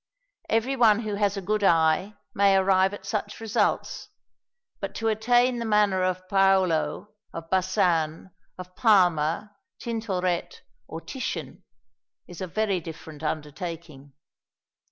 Every one who has a good eye may arrive at such results, but to attain the manner of Paolo, of Bassan, of Palma, Tintoret, or Titian, is a very different undertaking."